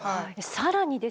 更にですね